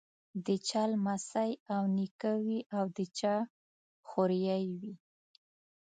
د چا لمسی او نیکه وي او د چا خوريی وي.